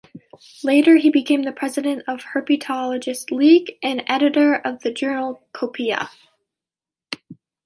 Later he became president of Herpetologists' League and an editor of the journal "Copeia".